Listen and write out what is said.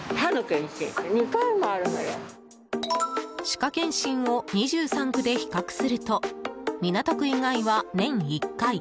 歯科検診を２３区で比較すると港区以外は年１回。